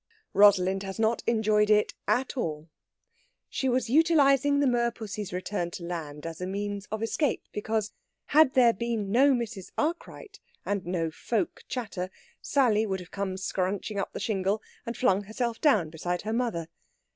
Rosalind had not enjoyed it at all. She was utilising the merpussy's return to land as a means of escape, because, had there been no Mrs. Arkwright, and no folk chatter, Sally would have come scranching up the shingle, and flung herself down beside her mother.